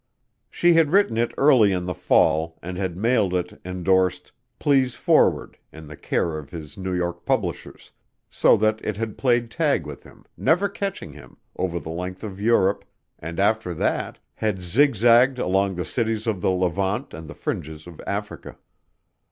She had written it early in the fall and had mailed it endorsed "please forward" in the care of his New York publishers, so that it had played tag with him, never catching him, over the length of Europe and, after that, had zig zagged along the cities of the Levant and the fringes of Africa.